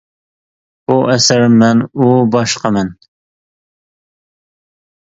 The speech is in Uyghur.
بۇ ئەسەر، مەن ئۇ باشقا مەن.